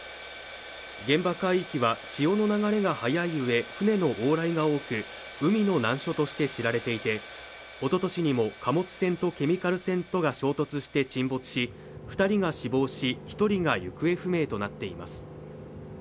現場海域は潮の流れが速いうえ船の往来が多く海の難所として知られていておととしにも貨物船とケミカル船が衝突して沈没し二人が死亡し一人が行方不明となっています